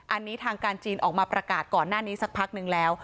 อันนี้ทางการจีนออกมาประกาศก่อนหน้านี้สักพักนึงแล้ว